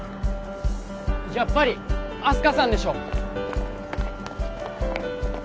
やっぱりあす花さんでしょ